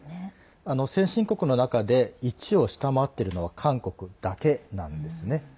先進国の中で１を下回っているのは韓国だけです。